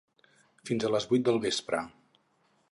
Fins a les vuit del vespre.